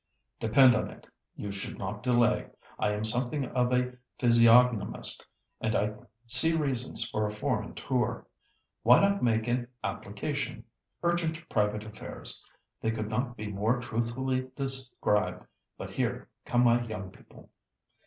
"Depend upon it, you should not delay. I am something of a physiognomist, and I see reasons for a foreign tour. Why not make an application? Urgent private affairs. They could not be more truthfully described. But here come my young people."